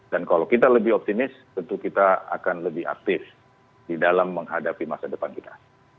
dan kalau kita lebih optimis tentu kita akan lebih aktif di dalam menghadapi masa depan kita